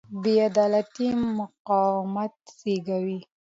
بې عدالتي مقاومت زېږوي